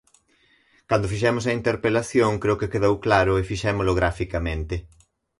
Cando fixemos a interpelación, creo que quedou claro e fixémolo graficamente.